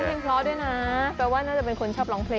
เพลงเพราะด้วยนะแปลว่าน่าจะเป็นคนชอบร้องเพลง